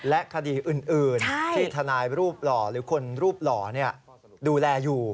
และคดีอื่นที่ทนายรูปหล่อหรือคนรูปหล่อดูแลอยู่